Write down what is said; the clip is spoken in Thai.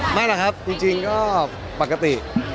มาแล้วครับจริงก็ปกติ